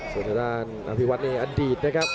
ส่วนด้านนักภิวัตนีอันดีตนะครับ